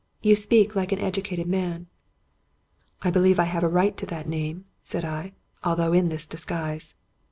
" You speak like an educated man." " I believe I have a right to that name," said I, " although in this disguise."